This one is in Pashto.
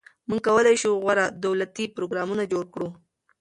موږ کولای شو غوره دولتي پروګرامونه جوړ کړو.